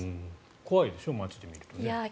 怖いでしょ、街で見ると。